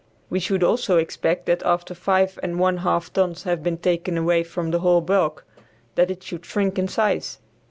We should also expect that after five and one half tons had been taken away from the whole bulk that it would shrink in size.